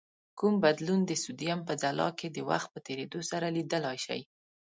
کوم بدلون د سودیم په ځلا کې د وخت په تیرېدو سره لیدلای شئ؟